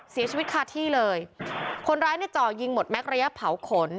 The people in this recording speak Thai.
เสียชีวิตคาที่เลยคนร้ายเนี่ยจ่อยิงหมดแม็กระยะเผาขน